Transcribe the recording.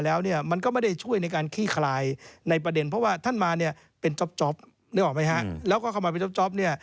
แล้วก็เข้ามาเป็นจ๊อปเนี่ย